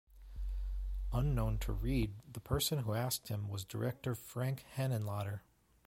Unknown to Reed, the person who asked him was director Frank Henenlotter.